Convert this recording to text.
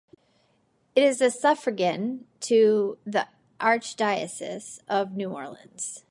It is suffragan to the Archdiocese of New Orleans.